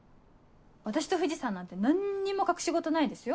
私と藤さんなんて何にも隠し事ないですよ。